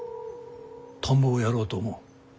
田んぼをやろうと思う。